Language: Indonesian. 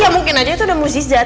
ya mungkin aja itu udah muzizat